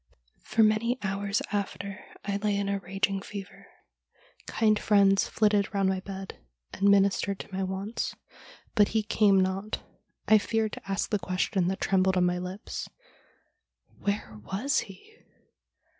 ' For many hours after I lay in a raging fever. Kind friends flitted round my bed and ministered to my wants, but he came not. I feared to ask the question that trembled on my lips — Where was he